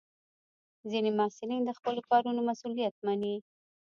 ځینې محصلین د خپلو کارونو مسؤلیت مني.